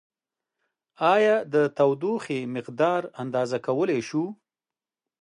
ایا د تودوخې مقدار اندازه کولای شو؟